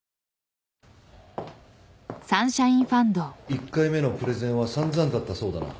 １回目のプレゼンは散々だったそうだな。